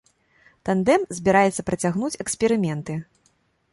Тандэм збіраецца працягнуць эксперыменты.